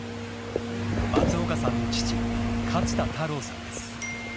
松岡さんの父、勝田太郎さんです。